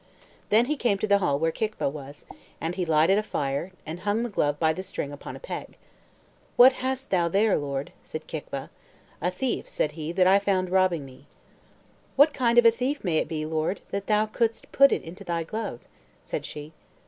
Then he came to the hall where Kicva was, and he lighted a fire, and hung the glove by the string upon a peg. "What hast thou there, lord?" said Kicva. "A thief," said he, "that I found robbing me." "What kind of a thief may it be, lord, that thou couldst put into thy glove?" said she.